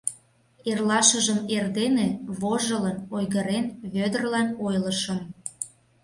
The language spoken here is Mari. Эрлашыжым эрдене, вожылын, ойгырен, Вӧдырлан ойлышым.